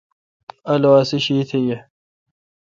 اولو اسی شیشت یہ۔